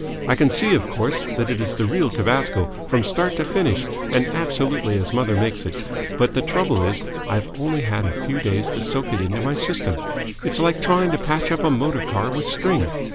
I can see, of course, that it is the real tabasco from start to finish, and absolutely as mother makes it, but the trouble is I've only had a few days to soak it into my system. It's like trying to patch up a motor car with string.